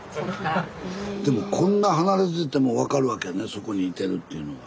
そこにいてるっていうのは。